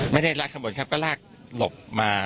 ไม่ได้ลากต้นบนครับเราก็ลากขึ้นลบมา